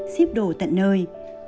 xếp đồ tận nơi